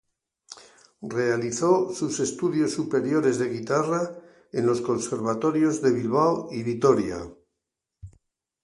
Realizó sus estudios superiores de Guitarra en los conservatorios de Bilbao y Vitoria.